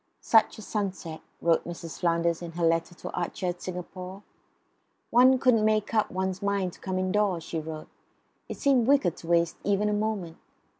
"Such a sunset," wrote Mrs. Flanders in her letter to Archer at Singapore. "One couldn't make up one's mind to come indoors," she wrote. "It seemed wicked to waste even a moment."